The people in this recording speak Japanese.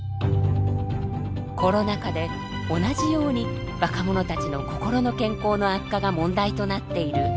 コロナ禍で同じように若者たちの心の健康の悪化が問題となっているアメリカ。